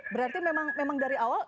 berarti memang dari awal